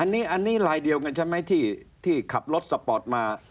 อันนี้ลายเดียวกันใช่ไหมที่ขับรถสปอร์ตมา